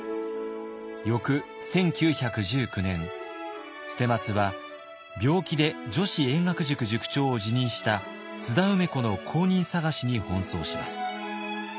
翌１９１９年捨松は病気で女子英学塾塾長を辞任した津田梅子の後任探しに奔走します。